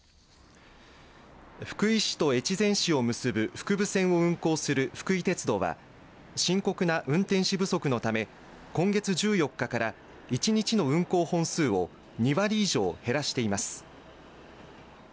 福井市と越前市を結ぶ福武線を運行する福井鉄道は深刻な運転士不足のため今月１４日から１日の運行本数を２割以上減らしています。